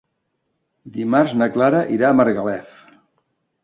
Dimarts na Clara irà a Margalef.